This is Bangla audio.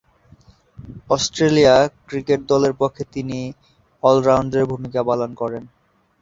অস্ট্রেলিয়া ক্রিকেট দলের পক্ষে তিনি অল-রাউন্ডারের ভূমিকা পালন করেন।